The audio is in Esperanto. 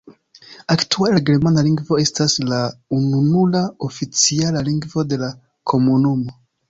Aktuale la germana lingvo estas la ununura oficiala lingvo de la komunumo.